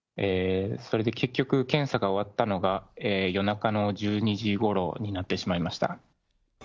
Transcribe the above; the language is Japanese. それで結局、検査が終わったのが、夜中の１２時ごろになってしまいました。